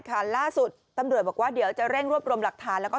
ล่าสุดตำรวจบอกว่าเดี๋ยวจะเร่งรวบรวมหลักฐานแล้วก็